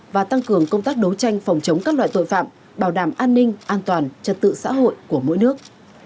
và tăng cường công tác đấu tranh phòng chống các loại tội phạm bảo đảm an ninh an toàn trật tự xã hội của mỗi nước